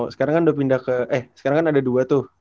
sekarang kan udah pindah ke eh sekarang kan ada dua tuh